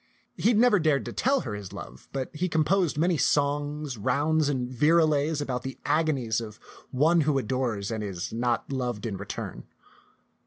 He had never dared to tell her his love, but he composed many songs, rounds, and virelays about the agonies of one who adores and is not loved in return.